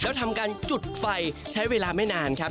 แล้วทำการจุดไฟใช้เวลาไม่นานครับ